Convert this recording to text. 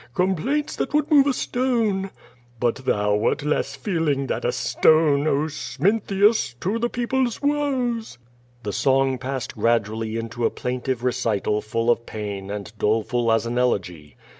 Complaints that would move a stone. But thou wert less feeling than a stone. Oh, Smintheus, to the people's woes!'* The song passed gradually into a plaintive recital full of pain and doleful as an elegy.